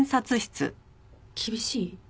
厳しい？